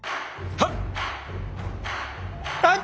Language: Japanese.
はっ！